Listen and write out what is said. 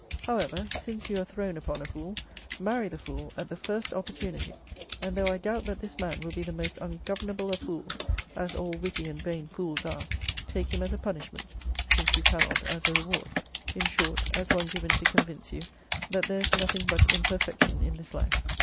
However, since you are thrown upon a fool, marry the fool at the first opportunity; and though I doubt that this man will be the most ungovernable of fools, as all witty and vain fools are, take him as a punishment, since you cannot as a reward: in short, as one given to convince you that there is nothing but imperfection in this life.